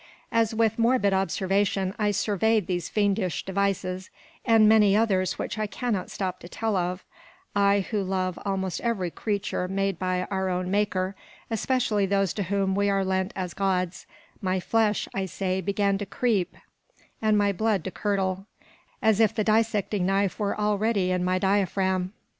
As with morbid observation I surveyed these fiendish devices, and many others which I cannot stop to tell of, I who love almost every creature made by our own Maker, especially those to whom we are lent as Gods, my flesh, I say, began to creep, and my blood to curdle, as if the dissecting knife were already in my diaphragm.